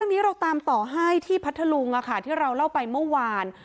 เราตามต่อให้ที่พัทธลุงที่เราเล่าไปเมื่อวาน